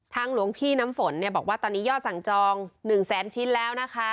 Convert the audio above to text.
หลวงพี่น้ำฝนบอกว่าตอนนี้ยอดสั่งจอง๑แสนชิ้นแล้วนะคะ